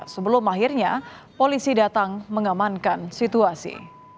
sebelum akhirnya polisi datang mengamankan situasi